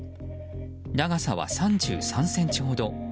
長さは３３ｃｍほど。